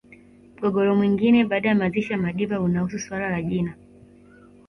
Mgogoro mwingine baada ya mazishi ya Madiba unahusu suala la jina